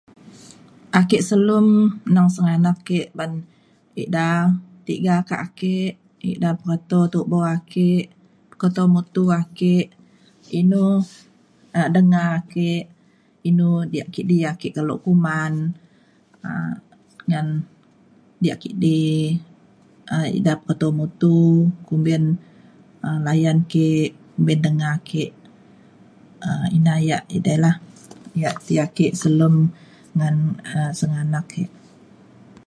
ake selem neng senganak ke ban ida tiga ka ake ida peto tubo ake keto mutu ake inu um denga ake inu diak kidi ake kelo kuman ngan um diak kidi um ida peto mutu kumbin um layan ke kumbin denga ke um ina ia' edei lah ia' ti ake selem ngan um senganak ke